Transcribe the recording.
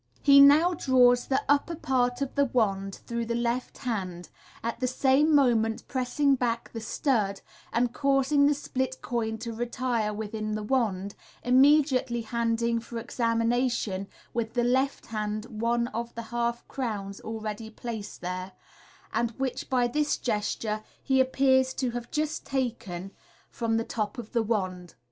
He now draws the upper part of the wand through the left hand, at the same moment pressing back the stud, and causing the split coin to retire within the wand, immediately handing for examination with the left hand one of the half crowns already placed there, and which by this gesture he appears to have just taken ao4 MODERN MAGIC. from the top of the wand.